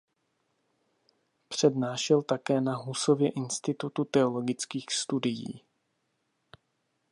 Přednášel také na Husově institutu teologických studií.